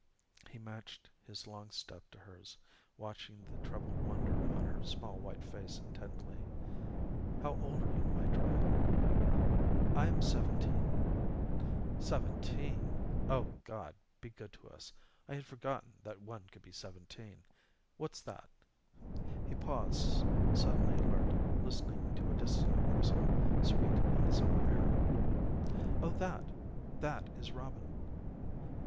He matched his long step to hers, watching the troubled wonder on her small white face intently. "How old are you, my Dryad?" "I am seventeen." "Seventeen! Oh, God be good to us, I had forgotten that one could be seventeen. What's that?" He paused, suddenly alert, listening to a distant whistle, sweet on the summer air. "Oh, that that is Robin."